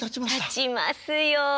たちますよ。